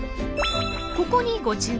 ここにご注目。